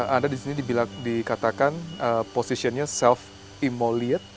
anda di sini dikatakan posisinya self emollient